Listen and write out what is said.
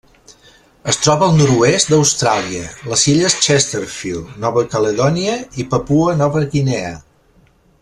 Es troba al nord-oest d'Austràlia, les illes Chesterfield, Nova Caledònia i Papua Nova Guinea.